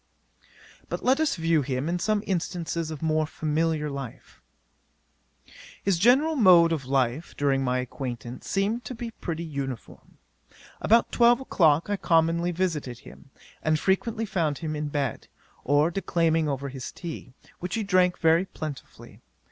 'But let us view him in some instances of more familiar life. 'His general mode of life, during my acquaintance, seemed to be pretty uniform. About twelve o'clock I commonly visited him, and frequently found him in bed, or declaiming over his tea, which he drank very plentifully.